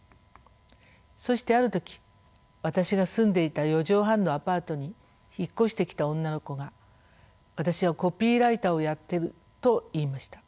そしてある時私が住んでいた四畳半のアパートに引っ越してきた女の子が「私はコピーライターをやってる」と言いました。